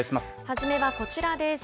初めはこちらです。